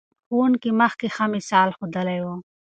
ښوونکي مخکې ښه مثال ښودلی و.